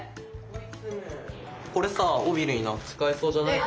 これさ尾鰭に使えそうじゃない？